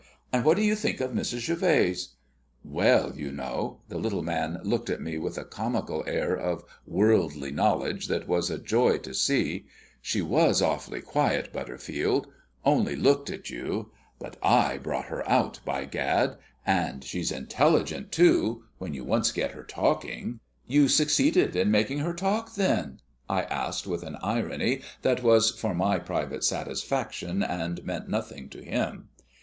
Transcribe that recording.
And what do you think of Mrs. Gervase?" "Well, you know," the little man looked at me with a comical air of worldly knowledge that was a joy to see, "she was awfully quiet, Butterfield only looked at you; but I brought her out, by Gad! And she's intelligent, too, when you once get her talking." "You succeeded in making her talk, then?" I asked with an irony that was for my private satisfaction, and meant nothing to him.